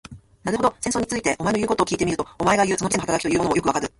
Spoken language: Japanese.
なるほど、戦争について、お前の言うことを聞いてみると、お前がいう、その理性の働きというものもよくわかる。